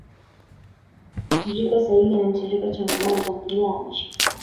mtiririko sahili na mtiririko changamano. Tamthilia ya mashetani.